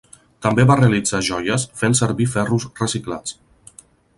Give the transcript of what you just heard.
També va realitzar joies fent servir ferros reciclats.